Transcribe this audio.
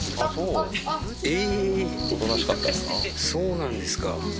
そうなんですか。